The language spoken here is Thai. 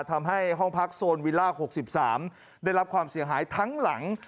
ทำให้ห้องพักโซนวิลล่า๖๓ได้รับความเสียหายทั้งหลัง